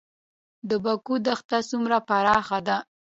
د بکوا دښته څومره پراخه ده؟